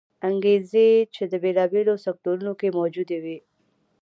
انګېزې چې د بېلابېلو سکتورونو کې موجودې وې